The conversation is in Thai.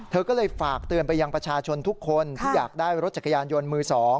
เธอก็เลยฝากเตือนไปยังประชาชนทุกคนที่อยากได้รถจักรยานยนต์มือ๒